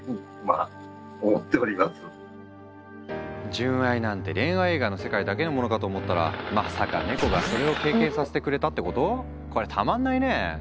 純愛なんて恋愛映画の世界だけのものかと思ったらまさかネコがそれを経験させてくれたってこと⁉こりゃたまんないね！